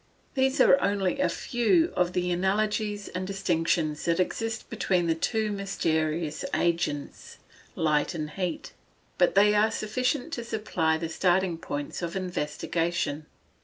These are only a few of the analogies and distinctions that exist between the two mysterious agents, light and heat. But they are sufficient to supply the starting points of investigation.